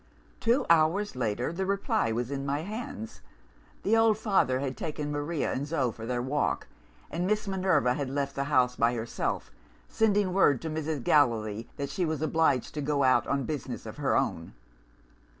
"Two hours later, the reply was in my hands. The old father had taken Maria and Zo for their walk; and Miss Minerva had left the house by herself sending word to Mrs. Gallilee that she was obliged to go out on business of her own.